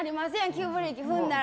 急ブレーキ踏んだら。